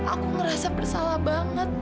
aku ngerasa bersalah banget